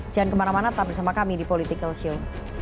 jangan kemana mana tetap bersama kami di politikalshow